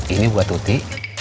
ini buat tuti